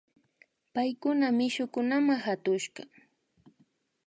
Paykuna mishukunama katushka